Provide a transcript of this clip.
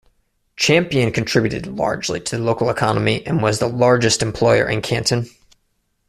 Champion contributed largely to the local economy, and was the largest employer in Canton.